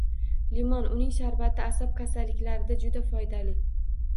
Limon, uning sharbati asab kasalliklarida juda foydali.